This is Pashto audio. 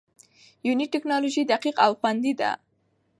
یوني ټېکنالوژي دقیق او خوندي ده.